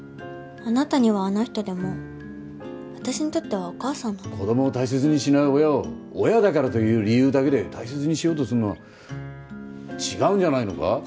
あなたにはあの人でも私にとってはお母さんなの子供を大切にしない親を親だからという理由だけで大切にしようとするのは違うんじゃないのか？